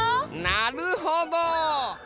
なるほど！